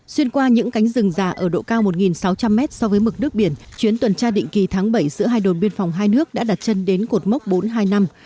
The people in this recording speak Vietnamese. xuyên qua những cánh rừng già ở độ cao một sáu trăm linh mét so với mực nước biển chuyến tuần tra định kỳ tháng bảy giữa hai đồn biên phòng hai nước đã đặt chân đến cột mốc bốn hai năm